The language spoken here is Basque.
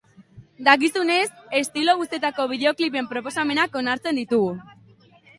Dakizunez, estilo guztietako bideoklipen proposamenak onartzen ditugu.